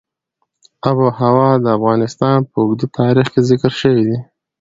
آب وهوا د افغانستان په اوږده تاریخ کې ذکر شوې ده.